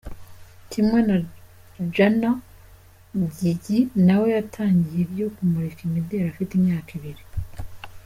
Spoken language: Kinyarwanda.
Kimwe na Jenner, Gigi na we yatangiye ibyo kumurika imideli afite imyaka ibiri.